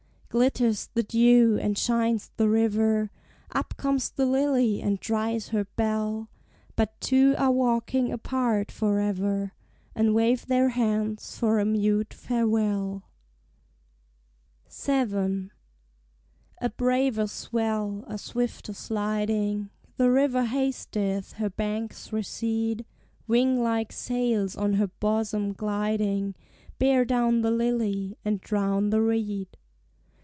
Glitters the dew, and shines the river; Up comes the lily and dries her bell; But two are walking apart forever, And wave their hands for a mute farewell. VII. A braver swell, a swifter sliding; The river hasteth, her banks recede; Wing like sails on her bosom gliding Bear down the lily, and drown the reed.